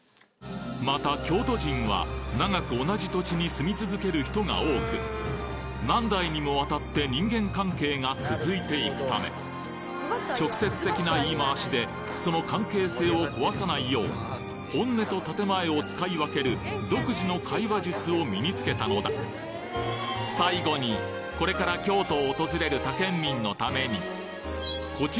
また京都人は長く同じ土地に住み続ける人が多く何代にもわたって人間関係が続いていくため直接的な言い回しでその関係性を壊さないよう本音と建前を使い分ける独自の会話術を身に着けたのだ最後にこれからこちらのお寿司屋さんの女将から特別講義